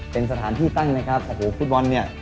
เป็นสถานที่ตั้งนะครับโอ้โหฟุตบอลเนี่ย